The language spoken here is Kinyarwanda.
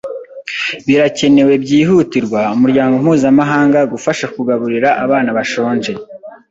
Birakenewe byihutirwa umuryango mpuzamahanga gufasha kugaburira abana bashonje.